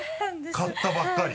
買ったばっかり？